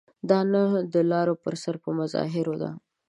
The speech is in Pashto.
دا نه د لارو پر سر په مظاهرو ده.